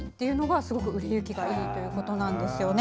すごく売れ行きがいいということなんですよね。